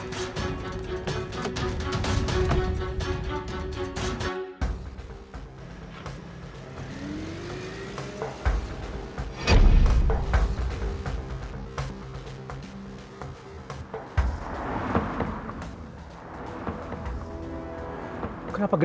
konstruksinya yang salah